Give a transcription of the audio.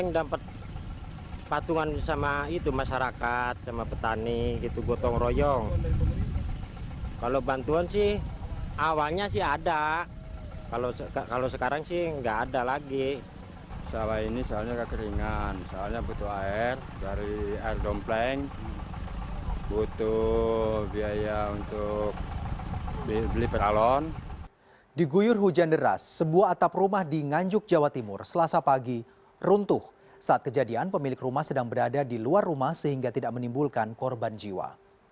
di guyur hujan deras sebuah atap rumah di nganjuk jawa timur selasa pagi runtuh saat kejadian pemilik rumah sedang berada di luar rumah sehingga tidak menimbulkan korban jiwa